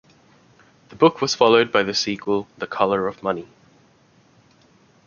The book was followed by the sequel "The Color of Money".